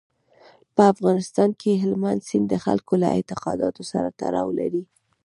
په افغانستان کې هلمند سیند د خلکو له اعتقاداتو سره تړاو لري.